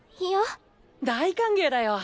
大歓迎だよ！